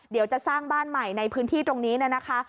เดี๋ยวจะสร้างบ้านใหม่ในพื้นที่ตรงนี้นะคะ